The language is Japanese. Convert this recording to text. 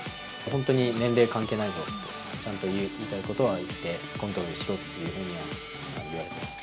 本当に年齢関係ないぞと、ちゃんと言いたいことは言って、コントロールしろっていうふうには言われてます。